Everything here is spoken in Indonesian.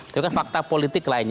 tapi kan fakta politik lainnya